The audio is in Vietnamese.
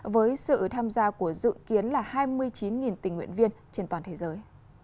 với sự tham gia của dự kiến là hai mươi chín tình nguyện viên trên toàn thế giới